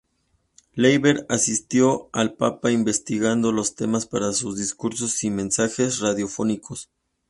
Leiber asistió al Papa investigando los temas para sus discursos y mensajes radiofónicos.